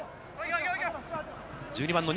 １２番の西。